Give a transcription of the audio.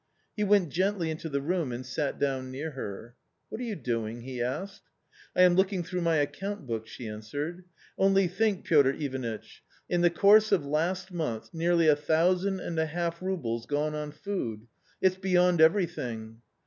He went gently into the room and sat down near her. " What are you doing ?" he asked. " I am looking through my account book," she answered. " Only think, Piotr Ivanitch ; in the course of last month nearly a thousand and a half roubles gone on food ; it's beyond everything